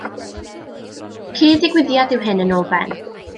Cyd-ddigwyddiad yw hyn yn ôl Ben.